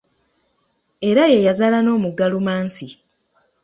Era ye yazaala n'omugga Lumansi.